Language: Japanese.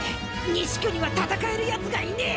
西区には戦えるヤツがいねえ！